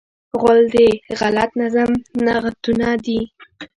غول د غلط نظم نغوته ده.